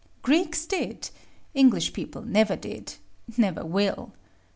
Greeks did: English people never did, never will.